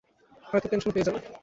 হয়তো পেনশন পেয়ে যাবে।